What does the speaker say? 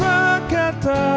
walau tanpa kata cinta